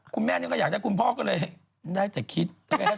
คุณแม่นี่ก็อยากได้คุณพ่อก็เลยได้แต่คิด